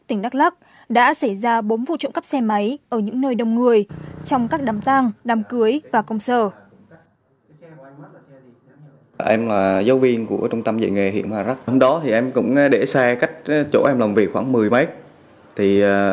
tỉnh đắk lắc đã xảy ra bốn vụ trộm cắp xe máy ở những nơi đông người